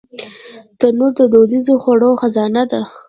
تنور د دودیزو خوړو خزانه ده